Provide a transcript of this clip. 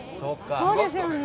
そうですよね。